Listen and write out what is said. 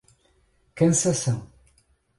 Cansanção